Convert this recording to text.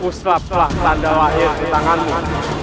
berselap selap tanda lahir di tanganmu